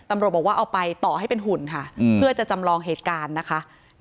ตำรวจบอกว่าเอาไปต่อให้เป็นหุ่นค่ะเพื่อจะจำลองเหตุการณ์นะคะ